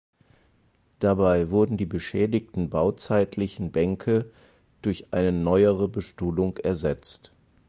Dabei wurden die beschädigten bauzeitlichen Bänke durch eine neuere Bestuhlung ersetzt.